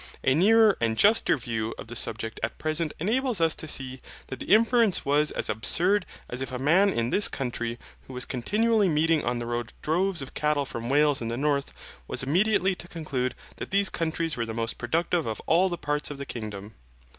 A nearer and juster view of the subject at present enables us to see that the inference was as absurd as if a man in this country, who was continually meeting on the road droves of cattle from Wales and the North, was immediately to conclude that these countries were the most productive of all the parts of the kingdom.